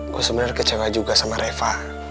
gue sebenarnya kecewa juga sama reva